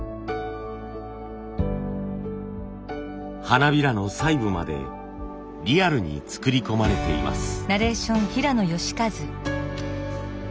花びらの細部までリアルに作り込まれています。